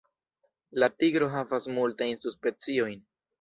La tigro havas multajn subspeciojn.